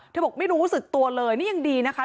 บอกไม่รู้สึกตัวเลยนี่ยังดีนะคะ